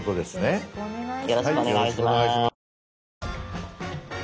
よろしくお願いします。